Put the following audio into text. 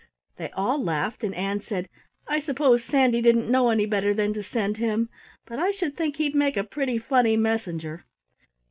They all laughed and Ann said: "I suppose Sandy didn't know any better than to send him, but I should think he'd make a pretty funny messenger!"